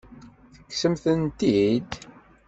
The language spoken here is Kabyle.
Tekksem-tent-id?